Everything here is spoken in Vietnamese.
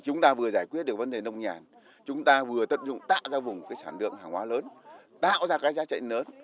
chúng ta vừa giải quyết được vấn đề nông nhàn chúng ta vừa tận dụng tạo ra vùng sản lượng hàng hóa lớn tạo ra các giá trị lớn